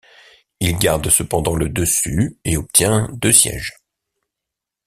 Il garde cependant le dessus et obtient deux sièges.